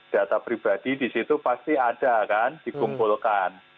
data pribadi di situ pasti ada kan dikumpulkan